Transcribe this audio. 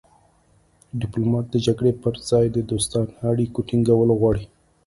ډیپلومات د جګړې پر ځای د دوستانه اړیکو ټینګول غواړي